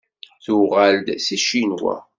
Tuɣal-d seg Ccinwa.